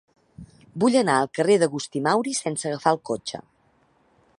Vull anar al carrer d'Agustí Mauri sense agafar el cotxe.